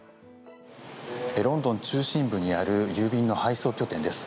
ロンドン中心部にある郵便の配送拠点です。